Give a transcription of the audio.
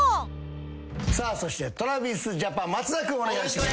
さあそしてＴｒａｖｉｓＪａｐａｎ松田君お願いします。